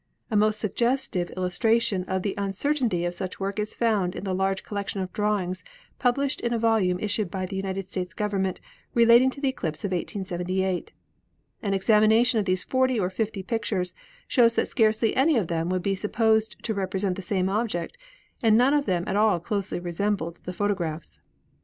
A most suggestive illustration of the uncertainty of such work is found in the large collection of drawings pub lished in a volume issued by the United States Govern ment relating to the eclipse of 1878. An examination of these forty or fifty pictures shows that scarcely any of them would be supposed to represent the same object, and none of them at all closely resembled the photographs.